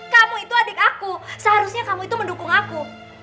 kamu itu adik aku seharusnya kamu itu mendukung aku